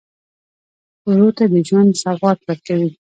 ورور ته د ژوند سوغات ورکوې.